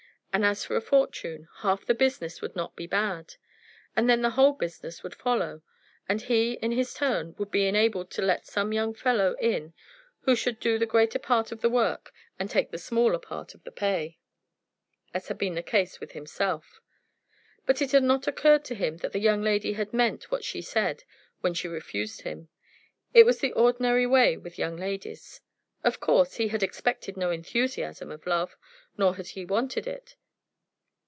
And as for a fortune, half the business would not be bad. And then the whole business would follow, and he in his turn would be enabled to let some young fellow in who should do the greater part of the work and take the smaller part of the pay, as had been the case with himself. But it had not occurred to him that the young lady had meant what she said when she refused him. It was the ordinary way with young ladies. Of course he had expected no enthusiasm of love; nor had he wanted it.